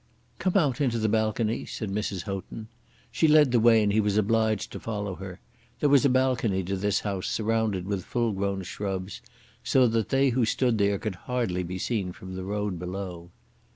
"Come out into the balcony," said Mrs. Houghton. She led the way and he was obliged to follow her. There was a balcony to this house surrounded with full grown shrubs, so that they who stood there could hardly be seen from the road below.